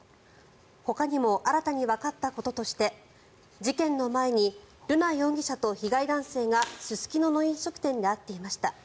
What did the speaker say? ほかにも新たにわかったこととして事件の前に瑠奈容疑者と被害男性がすすきのの飲食店で会っていました。